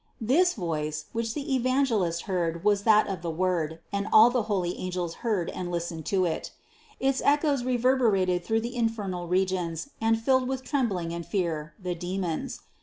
This voice, which the Evangelist heard was that of the Word, and all the holy angels heard and listened to it. Its echoes reverberated through the infernal regions and filled with trembling and fear the demons.